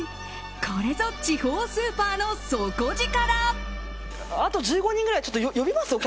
これぞ地方スーパーの底力！